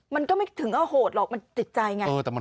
มันก็ไม่ถึงก็โหดหรอกมันติดใจไง